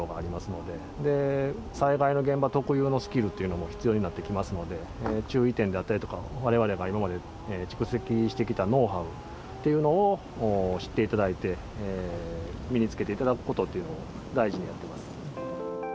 で災害の現場特有のスキルっていうのも必要になってきますので注意点であったりとか我々が今まで蓄積してきたノウハウっていうのを知って頂いて身につけて頂くことっていうのを大事にやってます。